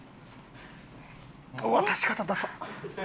渡し方ダサッ！